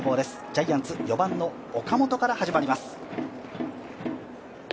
ジャイアンツ、４番の岡本から始まります。